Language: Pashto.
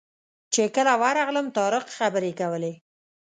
چې کله ورغلم طارق خبرې کولې.